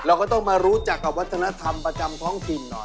เราก็ต้องมารู้จักกับวัฒนธรรมประจำท้องถิ่นหน่อย